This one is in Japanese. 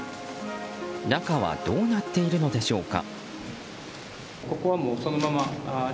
中はどうなっているのでしょうか。